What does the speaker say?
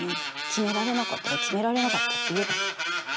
決められなかったら決められなかったって言えばいい。